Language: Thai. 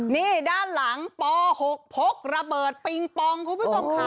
นี่ด้านหลังป๖พกระเบิดปิงปองคุณผู้ชมค่ะ